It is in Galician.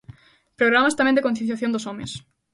Programas tamén de concienciación dos homes.